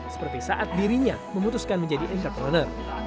seperti saat dirinya memutuskan menjadi entrepreneur